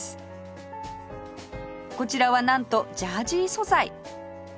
こちらはなんとジャージー素材